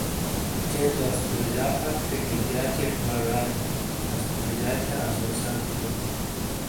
چے تو استوریجا پھت تھے گیلتیا تھیت وا ژارو استوریجا تھیا اسوئی ساتی تو